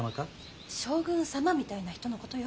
将軍様みたいな人のことよ。